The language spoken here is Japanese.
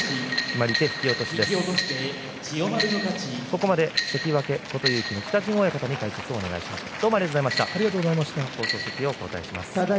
ここまで関脇琴勇輝の北陣親方に解説をお願いしました。